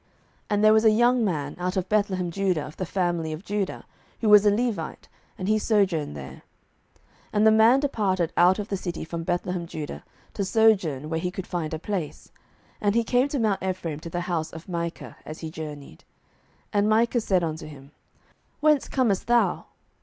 07:017:007 And there was a young man out of Bethlehemjudah of the family of Judah, who was a Levite, and he sojourned there. 07:017:008 And the man departed out of the city from Bethlehemjudah to sojourn where he could find a place: and he came to mount Ephraim to the house of Micah, as he journeyed. 07:017:009 And Micah said unto him, Whence comest thou?